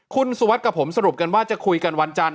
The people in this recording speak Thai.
คุณสุวัสดิ์กับผมสรุปกันว่าจะคุยกันวันจันท